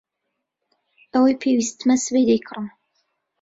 ئەوەی پێویستمە سبەی دەیکڕم.